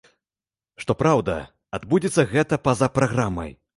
Што праўда, адбудзецца гэта па за праграмай.